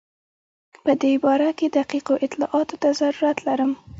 په دې باره کې دقیقو اطلاعاتو ته ضرورت لرم.